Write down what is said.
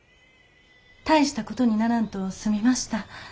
大したことにならんと済みました。